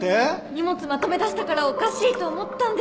荷物まとめだしたからおかしいと思ったんです！